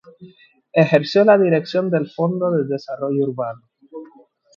Ejerció la dirección del Fondo de Desarrollo Urbano.